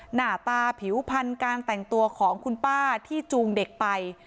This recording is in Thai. หน้าตาผิวพันธุ์การแต่งตัวของคุณป้าที่จูงเด็กไป